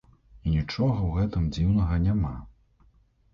І нічога ў гэтым дзіўнага няма.